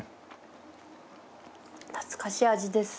懐かしい味です。